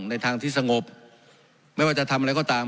ในทางที่สงบไม่ว่าจะทำอะไรก็ตาม